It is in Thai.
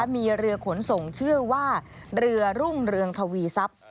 มีเรือขนส่งชื่อว่าเรือรุ่งเรืองทวีทรัพย์